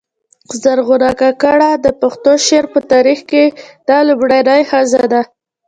زرغونه کاکړه د پښتو شعر په تاریخ کښي دا لومړۍ ښځه ده.